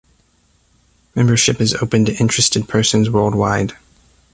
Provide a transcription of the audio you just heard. Membership is open to interested persons worldwide.